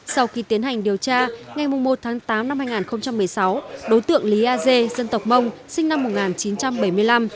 sau khi tiến hành điều tra ngày một tháng tám năm hai nghìn một mươi sáu đối tượng lý a dê dân tộc mông sinh năm một nghìn chín trăm bảy mươi năm